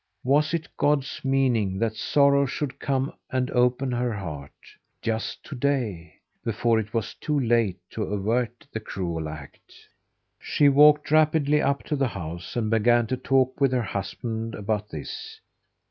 Was it God's meaning that sorrow should come and open her heart just to day before it was too late to avert the cruel act? She walked rapidly up to the house, and began to talk with her husband about this.